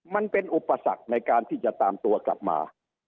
มันเป็นอุปสรรคในการที่จะตามตัวกลับมา